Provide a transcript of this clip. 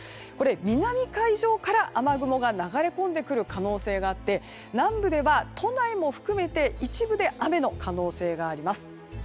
南海上から雨雲が流れ込んでくる可能性があって南部では都内も含めて一部で雨の可能性があります。